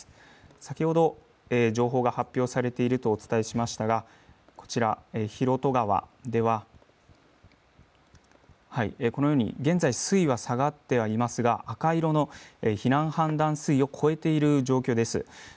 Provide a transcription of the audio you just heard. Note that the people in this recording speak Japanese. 先ほど情報が発表されているとお伝えしましたがこちらの広渡川では、現在、水位は下がっていますが赤い色の避難判断水位を超えている状況です。